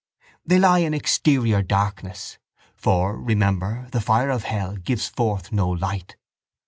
—They lie in exterior darkness. For, remember, the fire of hell gives forth no light.